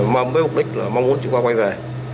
mong với mục đích là mong muốn chị khoa quay về